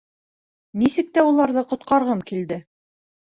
Нисек тә уларҙы ҡотҡарғым килде.